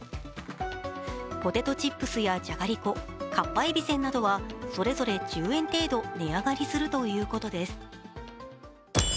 ポテトチップスやじゃがりこ、かっぱえびせんなどはそれぞれ１０円程度値上がりするということです。